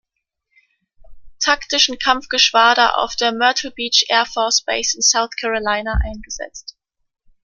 Taktischen Kampfgeschwader auf der "Myrtle Beach Air Force Base" in South Carolina eingesetzt.